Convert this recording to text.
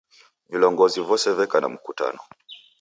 Vilongozi vose veka na mkutano